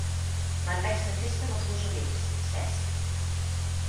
Me'n vaig de festa amb els meus amics, Cesc.